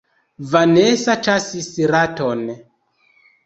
Vanesa ĉasis raton.